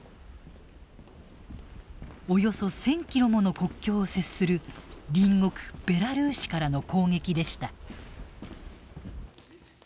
およそ１，０００キロもの国境を接する隣国ベラルーシからの攻撃でした。